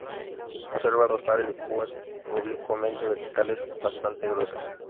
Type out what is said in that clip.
Conserva dos pares de púas oblicuamente verticales, bastante gruesas.